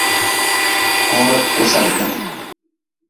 Kowra tuku sadgin.